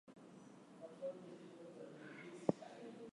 Queens finished fourth in the Scottish First Division.